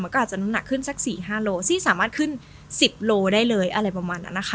ก็อาจจะน้ำหนักขึ้นสัก๔๕โลซึ่งสามารถขึ้น๑๐โลได้เลยอะไรประมาณนั้นนะคะ